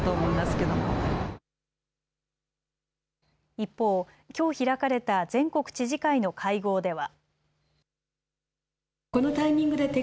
一方、きょう開かれた全国知事会の会合では。